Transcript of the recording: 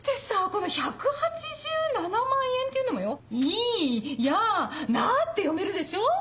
この１８７万円っていうのもよ「イヤナ」って読めるでしょ。